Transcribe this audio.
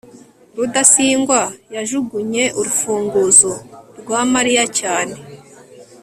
rudasingwa yajugunye urufunguzo rwa mariya cyane